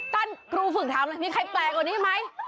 ตั้งครูฝึกถามมีใครแปลกกว่านี้ไหม